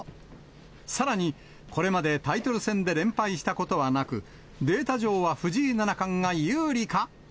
さらに、これまでタイトル戦で連敗したことはなく、データ上は藤井七冠が有利か。